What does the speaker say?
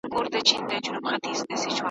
رېزمرېز به یې پر مځکه وي هډونه `